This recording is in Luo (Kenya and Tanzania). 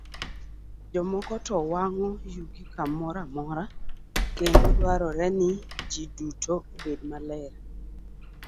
Jomoko to wang'o yugi kamoro amora, kendo dwarore ni ji duto obed maler.